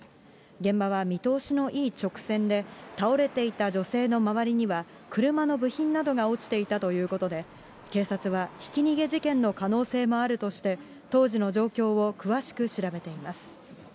現場は見通しのいい直線で、倒れていた女性の周りには、車の部品などが落ちていたということで、警察はひき逃げ事件の可能性もあるとして、当時の状況を詳しく調べています。